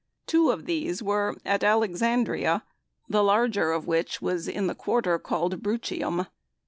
Two of these were at Alexandria, the larger of which was in the quarter called Bruchium.